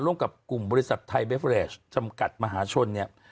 ร่วมกับกลุ่มบริษัทไทยเบเวอเรชจำกัดมหาชนเนี่ย